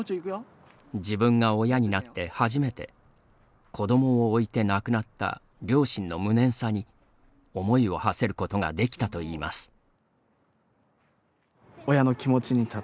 自分が親になって初めて子どもを置いて亡くなった両親の無念さに思いをはせることができたといいます。